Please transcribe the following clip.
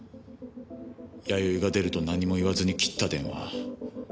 弥生が出ると何も言わずに切った電話。